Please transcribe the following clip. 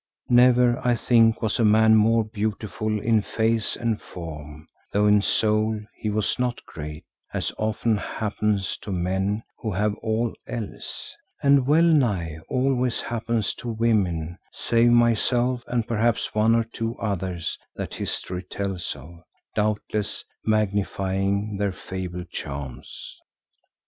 Never, I think, was a man more beautiful in face and form, though in soul he was not great, as often happens to men who have all else, and well nigh always happens to women, save myself and perhaps one or two others that history tells of, doubtless magnifying their fabled charms.